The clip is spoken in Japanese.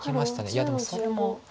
いやでもそれも。